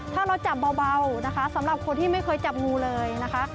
ถ้าเราจับเบานะคะสำหรับคนที่ไม่เคยจับงูเลยนะคะ